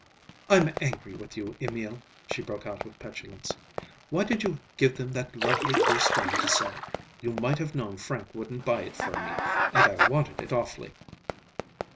"I'm angry with you, Emil," she broke out with petulance. "Why did you give them that lovely blue stone to sell? You might have known Frank wouldn't buy it for me, and I wanted it awfully!"